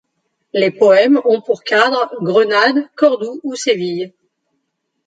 Les poèmes ont pour cadre Grenade, Cordoue ou Séville.